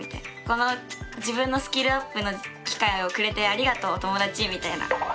この自分のスキルアップの機会をくれてありがとう友達！みたいな。